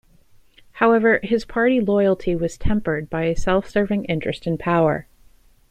However, his party loyalty was tempered by a self-serving interest in power.